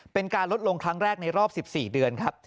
เป็นการลดลงครั้งแรกในรอบ๑๔เดือนครับ